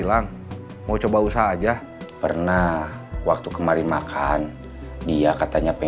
aku selalu aman sama kathleen